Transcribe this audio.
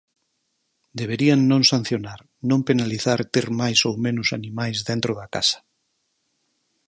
Deberían non sancionar, non penalizar ter máis ou menos animais dentro da casa.